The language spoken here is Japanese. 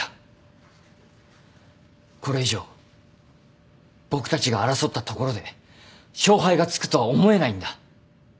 これ以上僕たちが争ったところで勝敗がつくとは思えないんだ。